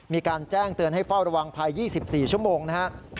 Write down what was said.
มีการแจ้งเตือนให้เฝ้าระวังภาย๒๔ชั่วโมงนะครับ